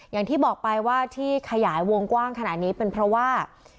อย่างที่บอกไปว่าที่ขยายวงกว้างขนาดนี้เป็นเพราะว่า